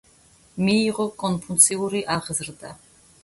მიიღო კონფუციური აღზრდა.